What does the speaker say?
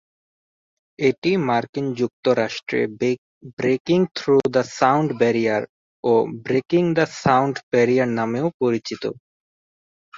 এটি মার্কিন যুক্তরাষ্ট্রে breaking through the sound barrier, ও ব্রেকিং দ্য সাউন্ড ব্যারিয়ার নামেও পরিচিত।